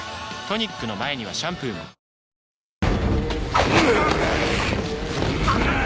トニックの前にはシャンプーもおらぁ！